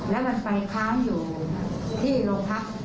แล้วมันไปค้างอยู่ที่โรงพัก